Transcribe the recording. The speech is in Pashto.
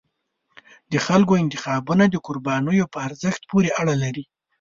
د خلکو انتخابونه د قربانیو په ارزښت پورې اړه لري